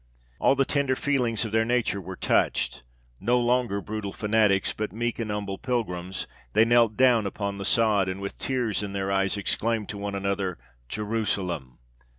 All the tender feelings of their nature were touched; no longer brutal fanatics, but meek and humble pilgrims, they knelt down upon the sod, and with tears in their eyes, exclaimed to one another "_Jerusalem!